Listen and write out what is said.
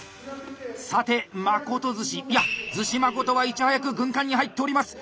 さてまこと寿司いや厨子誠はいち早く軍艦に入っております！